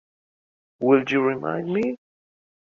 Will you remind me?